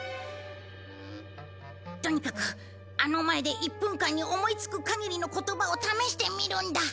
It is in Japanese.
とにかくあの前で１分間に思いつく限りの言葉を試してみるんだ。